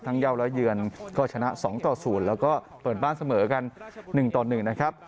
เย่าและเยือนก็ชนะ๒ต่อ๐แล้วก็เปิดบ้านเสมอกัน๑ต่อ๑นะครับ